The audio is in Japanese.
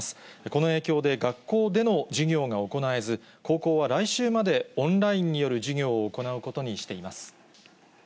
この影響で、学校での授業が行えず、高校は来週までオンラインによる授業を行うことにしています。